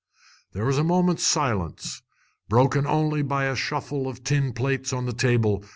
There was a moment's silence, broken only by a shuffle of tin plates on the table.